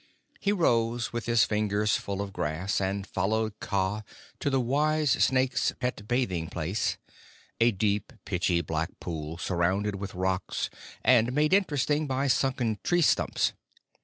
He rose with his fingers full of grass, and followed Kaa to the wise snake's pet bathing place a deep, pitchy black pool surrounded with rocks, and made interesting by sunken tree stumps.